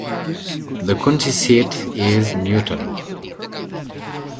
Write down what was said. The county seat is Newton.